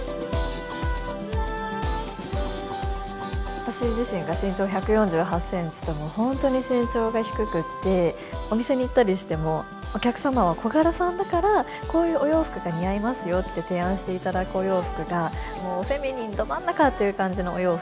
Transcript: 私自身が身長１４８ｃｍと本当に身長が低くてお店に行ったりしても「お客様は小柄さんだからこういうお洋服が似合いますよ」って提案していただくお洋服がもうフェミニンど真ん中という感じのお洋服。